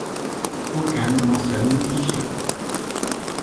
Aucun ne mentionne le cliché.